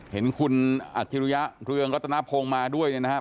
เห็นคุณอัจฉริยะเรืองรัตนพงศ์มาด้วยนะครับ